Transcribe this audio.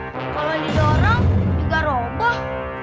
kalau didorong juga roboh